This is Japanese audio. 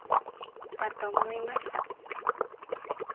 だと思いました。